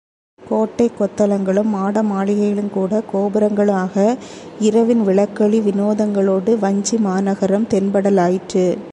கோட்டை கொத்தளங்களும் மாடமாளிகைகளும், கூட கோபுரங்களுமாக இரவின் விளக்கொளி விநோதங்களோடு வஞ்சிமாநகரம் தென்படலாயிற்று.